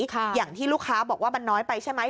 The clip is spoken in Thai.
อย่างที่ลูกค้าบอกว่ามันน้อยไปใช่ไหม